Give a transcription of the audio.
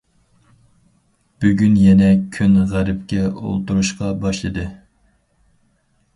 بۈگۈن يەنە كۈن غەربكە ئولتۇرۇشقا باشلىدى.